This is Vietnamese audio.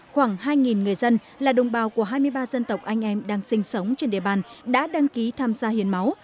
khoảng hai người dân là đồng bào của hai mươi ba dân tộc anh em đang sinh sống trên địa bàn đã đăng ký tham gia hiến máu